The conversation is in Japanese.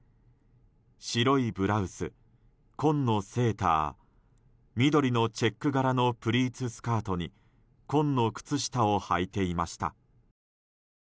白いブラウス、紺のセーター緑のチェック柄のプリーツスカートに紺の靴下をはいていました。